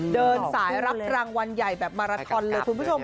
เดินสายรับรางวัลใหญ่แบบมาราทอนเลยคุณผู้ชม